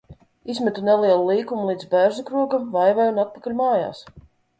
Izmetu nelielu līkumu līdz Bērzukrogam, Vaivei un atpakaļ mājās.